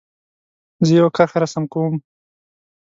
زه یو کرښه رسم کوم.